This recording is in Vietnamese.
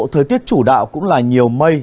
thời tiết chủ đạo cũng là nhiều mây